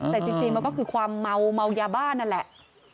แต่จริงมันก็คือความเมายาบ้านนั่นแหละ